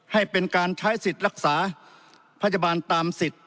ให้เป็นการใช้สิทธิ์รักษาพยาบาลตามสิทธิ์